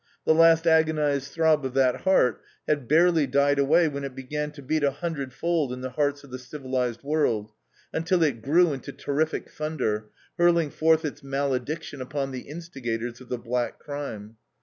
The last agonized throb of that heart had barely died away when it began to beat a hundredfold in the hearts of the civilized world, until it grew into terrific thunder, hurling forth its malediction upon the instigators of the black crime.